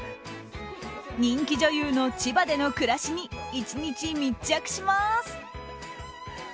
人気女優の千葉での暮らしに１日密着します。